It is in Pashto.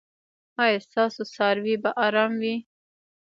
ایا ستاسو څاروي به ارام وي؟